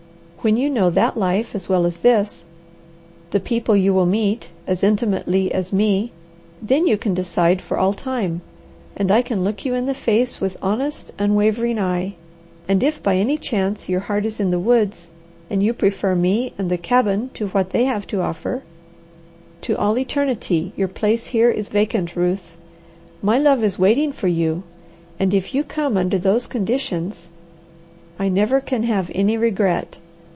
When you know that life as well as this, the people you will meet as intimately as me, then you can decide for all time, and I can look you in the face with honest, unwavering eye; and if by any chance your heart is in the woods, and you prefer me and the cabin to what they have to offer to all eternity your place here is vacant, Ruth. My love is waiting for you; and if you come under those conditions, I never can have any regret.